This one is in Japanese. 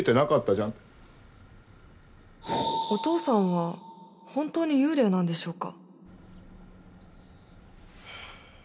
お父さんは本当に幽霊なんでしょうか？